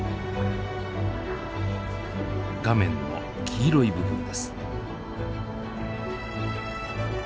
画面の黄色い部分です。